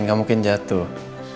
nggak mungkin jatuh